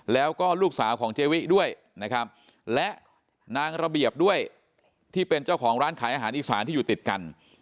แล้วก็ลูกสาวของเจวิด้วยนะครับและนางระเบียบด้วยที่เป็นเจ้าของร้านขายอาหารอีสานที่อยู่ติดกัน